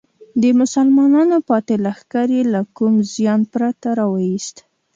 د مسلمانانو پاتې لښکر یې له کوم زیان پرته راوویست.